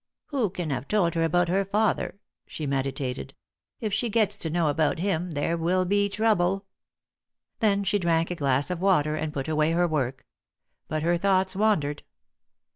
"Who can have told her about her father?" she meditated. "If she gets to know about him, there will be trouble." Then she drank a glass of water, and put away her work. But her thoughts wandered.